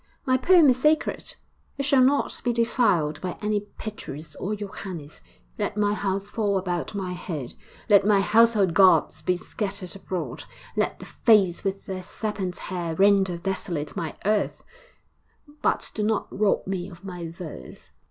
My poem is sacred; it shall not be defiled by any Petrus or Johannes! Let my house fall about my head, let my household gods be scattered abroad, let the Fates with their serpent hair render desolate my hearth; but do not rob me of my verse.